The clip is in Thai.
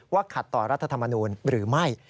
ขัดต่อรัฐธรรมนูลหรือไม่